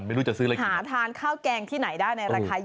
ไม่รู้จะซื้ออะไรขึ้นครับหาทานข้าวแกงที่ไหนได้ในราคา๒๐บาท